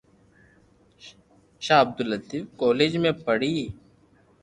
ݾاھ ابدول لتيف ڪوليج مون پڙي